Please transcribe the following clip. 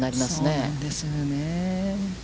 そうなんですよね。